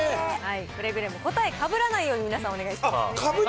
くれぐれも答え、かぶらないように、皆さんお願いします。